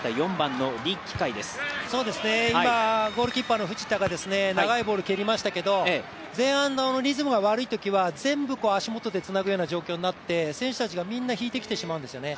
ゴールキーパーの藤田が長いボール蹴りましたけど、前半のリズムが悪いときは全部、足元でつなぐような状況になって、選手たちがみんな引いてきてしまうんですよね。